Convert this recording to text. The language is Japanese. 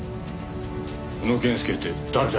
宇野健介って誰だ？